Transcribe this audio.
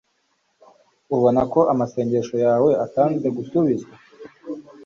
ubona ko amasengesho yawe atinze gusubizwa